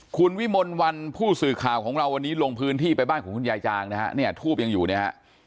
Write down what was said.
คุณวิมลวันผู้สื่อข่าวของเราวันนี้ลงพื้นที่ไปบ้านของคุณยายจางนะฮะเนี่ยทูบยังอยู่เนี่ยฮะ